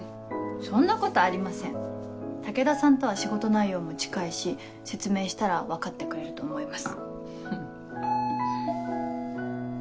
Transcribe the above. そんなことありません武田さんとは仕事内容も近いし説明したら分かってくれると思います。